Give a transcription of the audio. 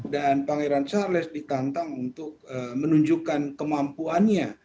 dan pangeran charles ditantang untuk menunjukkan kemampuannya